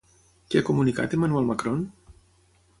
Què ha comunicat Emmanuel Macron?